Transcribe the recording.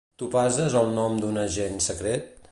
Topaz és el nom d'una agent secret?